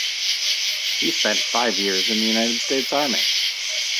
He spent five years in the United States Army.